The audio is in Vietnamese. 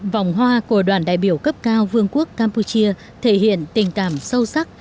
vòng hoa của đoàn đại biểu cấp cao vương quốc campuchia thể hiện tình cảm sâu sắc